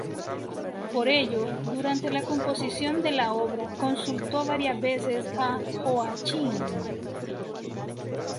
Por ello, durante la composición de la obra consultó varias veces a Joachim.